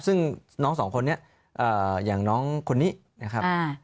ซึ่งน้องสองคนนี้อย่างน้องคนนี้นะครับ